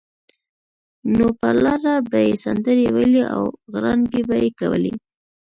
نو پر لاره به یې سندرې ویلې او غړانګې به یې کولې.